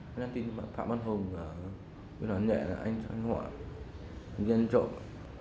nói tin phạm văn hùng nguyễn văn hùng nhẹ là anh họa anh nhân trộm